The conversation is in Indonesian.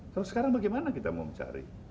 kalau sekarang bagaimana kita mau mencari